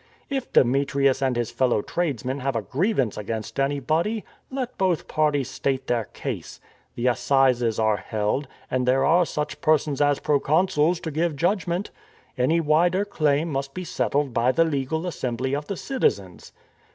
If Demetrius and his fellow tradesmen have a grievance against anybody, let both parties state their case. The assizes are held, and there are such persons as proconsuls to give judgment. Any wider claim must be settled by the legal assembly of the citizens.